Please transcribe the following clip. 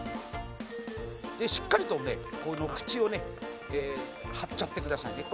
しっかりとねこの口をね貼っちゃってくださいね。